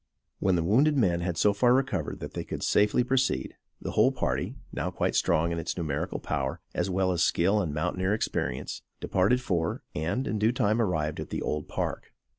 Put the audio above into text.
When the wounded men had so far recovered that they could safely proceed, the whole party, now quite strong in its numerical power, as well as skill and mountaineer experience, departed for, and, in due time, arrived at the Old Park.